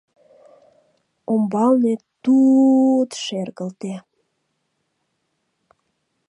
Умбалне ту-у-у-ут шергылте.